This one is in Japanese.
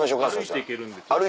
歩いて行けるんで。